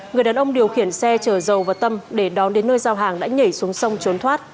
người đàn ông điều khiển xe chở dầu và tâm để đón đến nơi giao hàng đã nhảy xuống sông trốn thoát